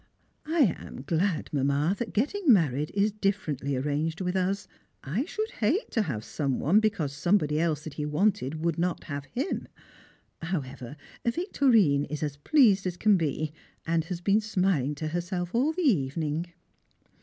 I am glad, Mamma, that getting married is differently arranged with us. I should hate to have some one because somebody else that he wanted would not have him. However, Victorine is as pleased as can be, and has been smiling to herself all the evening.